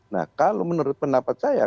nah kalau menurut pendapat saya